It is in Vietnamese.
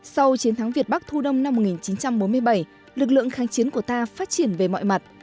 sau chiến thắng việt bắc thu đông năm một nghìn chín trăm bốn mươi bảy lực lượng kháng chiến của ta phát triển về mọi mặt